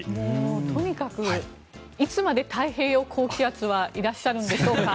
とにかくいつまで太平洋高気圧はいらっしゃるんでしょうか？